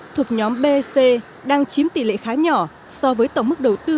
thuộc nhóm b c đang chiếm tỷ lệ khá nhỏ so với tổng mức đầu tư